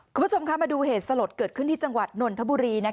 คุณผู้ชมคะมาดูเหตุสลดเกิดขึ้นที่จังหวัดนนทบุรี